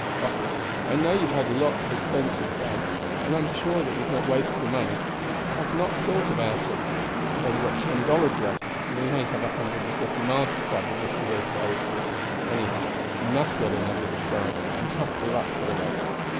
"Oh, I know you have had lots of expenses, Dan, and I am sure that you have not wasted your money; but I had not thought about it. I have only got ten dollars left, and we may have a hundred and fifty miles to travel before we are safe. Anyhow, you must get another disguise, and trust to luck for the rest.